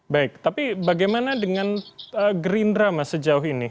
baik tapi bagaimana dengan gerindra mas sejauh ini